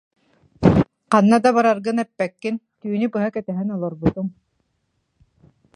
Ханна да бараргын эппэккин, түүнү быһа кэтэһэн олорбутум